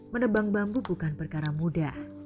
menebang bambu bukan perkara mudah